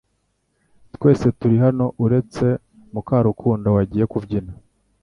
Twese turi hano uretse Mukarukundo wagiye kubyina ?